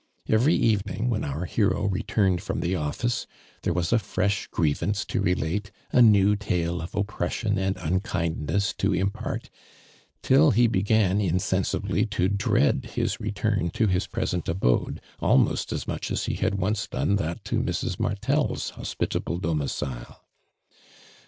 Every evening when our hero re tirrned fi om the office, there was a fresh grievance to relate, a new tale of oppression anil unkindness to impart, till ho began in sensibly tj dread his return to his present abode, almost as much as he had once done that to Mrs. Martel's hospitable domicile.